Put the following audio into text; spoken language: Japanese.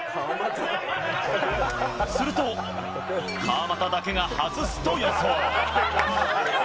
すると、川真田だけが外すと予想。